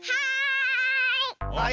はい！